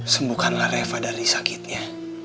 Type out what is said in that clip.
sembukanlah reva dari sakitnya